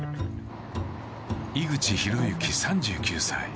井口浩之３９歳。